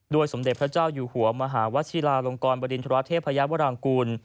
สมเด็จพระเจ้าอยู่หัวมหาวชิลาลงกรบริณฑราเทพยาวรางกูล